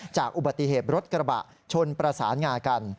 จากอุบัติเหตุรถกระบะชนประสานงากัน